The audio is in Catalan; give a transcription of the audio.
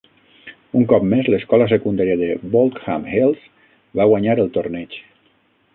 Un cop més, l'escola secundària de Baulkham Hills va guanyar el torneig.